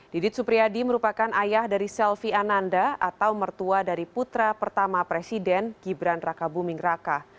didit supriyadi merupakan ayah dari selvi ananda atau mertua dari putra pertama presiden gibran raka buming raka